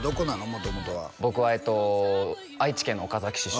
元々は僕はえっと愛知県の岡崎市出身です